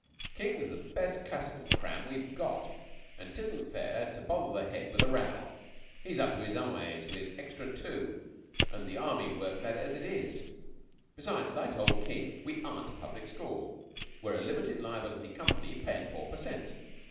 "King's the best classical cram we've got; and 'tisn't fair to bother the Head with a row. He's up to his eyes with extra tu and Army work as it is. Besides, as I told King, we aren't a public school. We're a limited liability company payin' four per cent.